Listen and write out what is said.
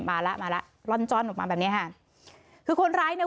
มาแล้วมาแล้วร่อนจ้อนออกมาแบบเนี้ยค่ะคือคนร้ายเนี่ย